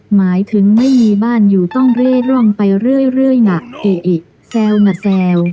หมายถึงไม่มีบ้านอยู่ต้องเร่ร่อนไปเรื่อยนะเออแซวน่ะแซว